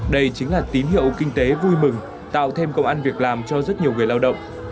đây chính là tín hiệu kinh tế vui mừng tạo thêm công an việc làm cho rất nhiều người lao động